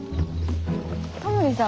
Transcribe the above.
タモリさん